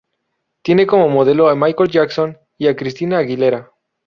Tiene como modelo a Michael Jackson y a Christina Aguilera.